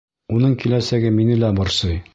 Уның киләсәге мине лә борсой!